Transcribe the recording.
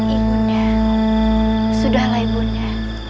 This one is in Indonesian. ibu nda sudah lah ibu nda